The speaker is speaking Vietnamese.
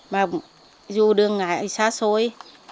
và dù đường xa xôi